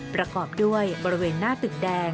ประกอบด้วยบริเวณหน้าตึกแดง